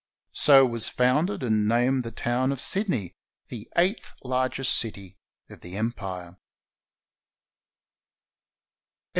So was founded and named the town of Sydney, the eighth largest city of the Empire.